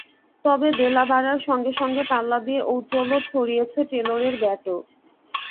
তবে বেলা বাড়ার সঙ্গে সঙ্গে পাল্লা দিয়ে ঔজ্জ্বল্য ছড়িয়েছে টেলরের ব্যাটও।